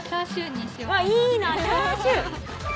いいなチャーシュー！